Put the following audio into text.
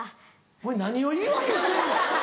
お前何を言い訳してんねん！